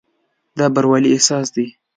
دا بروالي احساس دی.